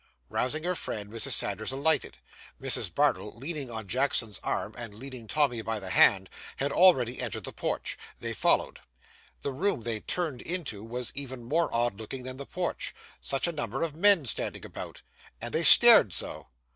Rousing her friend, Mrs. Sanders alighted. Mrs. Bardell, leaning on Jackson's arm, and leading Tommy by the hand, had already entered the porch. They followed. The room they turned into was even more odd looking than the porch. Such a number of men standing about! And they stared so!